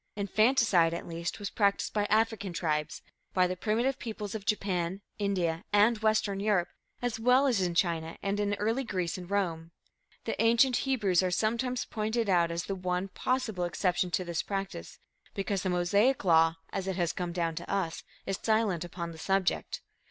Infanticide, at least, was practiced by African tribes, by the primitive peoples of Japan, India and Western Europe, as well as in China, and in early Greece and Rome. The ancient Hebrews are sometimes pointed out as the one possible exception to this practice, because the Mosaic law, as it has come down to us, is silent upon the subject.